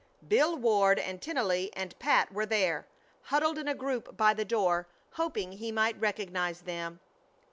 Bill Ward and Tennelly and Pat were there, huddled in a group by the door, hoping he might recognize them.